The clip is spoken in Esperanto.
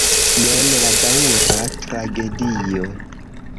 Jen la daŭra tragedio.